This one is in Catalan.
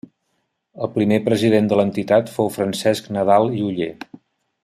El primer president de l'entitat fou Francesc Nadal i Oller.